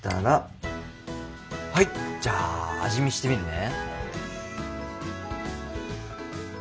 はいじゃあ味見してみるね。